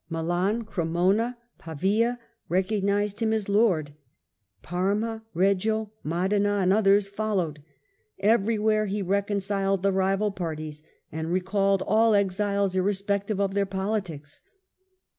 Milan, Cremona, Pavia recognised him as lord ; Parma, Eeggio, Modena and others followed ; every where he reconciled the rival parties and recalled all exiles irrespective of their politics.